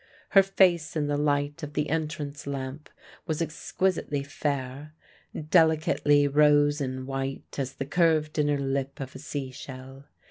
Her face in the light of the entrance lamp was exquisitely fair, delicately rose and white as the curved inner lip of a sea shell.